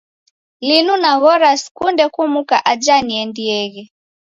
Linu naghora sikunde kumuka aja niendieghe.